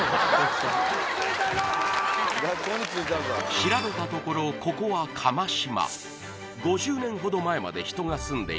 調べたところここは釜島